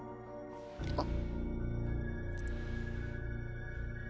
あっ。